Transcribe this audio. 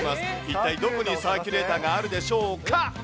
一体どこにサーキュレーターがあるでしょうか。